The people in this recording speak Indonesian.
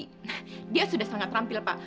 dia sudah sangat rampil pak